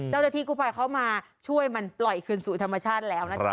เจ้าหน้าที่กู้ภัยเขามาช่วยมันปล่อยคืนสู่ธรรมชาติแล้วนะคะ